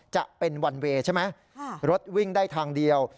จะเป็นวันเวย์ใช่ไหมรถวิ่งได้ทางเดียว